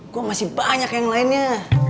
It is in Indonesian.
kok masih banyak yang lainnya